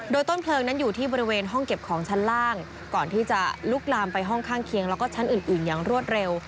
โดยต้นเพลิงนั้นอยู่ที่บริเวณห้องเก็บของชั้นล่างก่อนที่จะลุกลามไปห้องข้างเคียงแล้วก็ชั้นอื่นอย่างรวดเร็ว